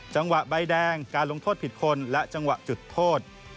จังหวะใบแดงการลงโทษผิดคนและจังหวะจุดโทษ